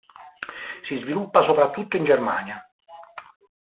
Si sviluppa soprattutto in Germania.